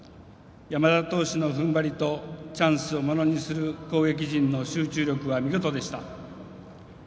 山田投手の踏ん張りとチャンスをものにする攻撃陣の集中力は見事でした。